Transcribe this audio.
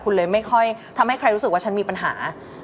คุณเลยไม่ค่อยทำให้ใครรู้สึกว่าฉันมีปัญหา